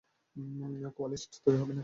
কোয়ালিস্ট তৈরি হবে না।